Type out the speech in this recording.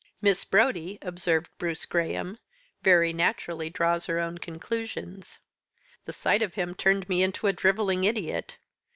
"Miss Brodie," observed Bruce Graham, "very naturally draws her own conclusions. The sight of him turned me into a drivelling idiot.